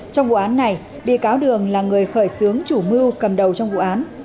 trong vụ án này bị cáo đường là người khởi xướng chủ mưu cầm đầu trong vụ án